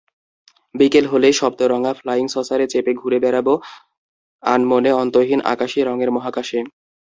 বিকেল হলেই সপ্তরঙা ফ্লাইং-সসারে চেপে ঘুরে বেড়াব আনমনে অন্তহীন আকাশি রঙের মহাকাশে।